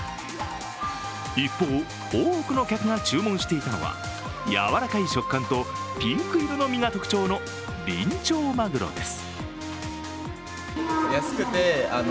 一方、多くの客が注文していたのは柔らかい食感とピンク色の身が特徴のビンチョウマグロです。